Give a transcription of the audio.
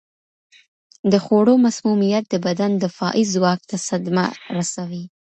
د خوړو مسمومیت د بدن دفاعي ځواک ته صدمه رسوي.